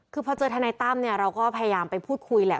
คือพอเจอทนายตั้มเนี่ยเราก็พยายามไปพูดคุยแหละ